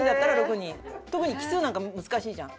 特に奇数なんか難しいじゃん。